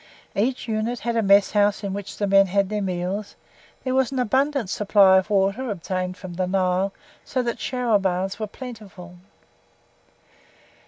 Each unit had a mess house in which the men had their meals; there was an abundant supply of water obtained from the Nile, so that shower baths were plentiful.